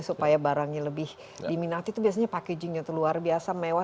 supaya barangnya lebih diminati itu biasanya packagingnya itu luar biasa mewah